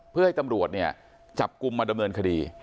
เพื่อให้ตำรวจเนี่ยจับกลุ่มมาดำเนินคดี